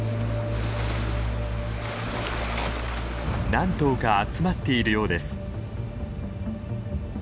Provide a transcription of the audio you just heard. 何頭か集まっているようです。